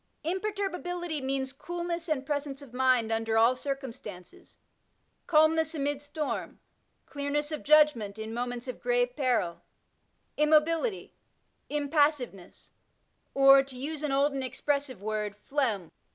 Imperturbability means coolness and presence of mind under all circumstances, calmness amid storm, clearness of judgment in moments of grave peril, immobility, impassiveness, or, to use an old and expressive word, phlegm.